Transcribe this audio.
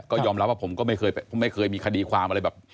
ก็ยอมรับว่าผมก็ไม่เคยมีคดีความอะไรแบบ